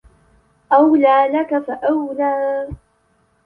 أَوْلَى لَكَ فَأَوْلَى